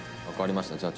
「わかりました。